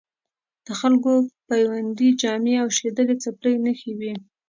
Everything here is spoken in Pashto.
د خلکو بیوندي جامې او شلېدلې څپلۍ نښې وې.